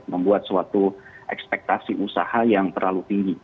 membuat suatu ekspektasi usaha yang terlalu tinggi